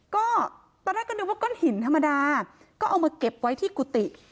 ก็ตอนแรกก็นึกว่าก้อนหินธรรมดาก็เอามาเก็บไว้ที่กุฏิ